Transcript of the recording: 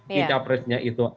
kita presnya itu